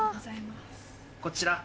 こちらＡ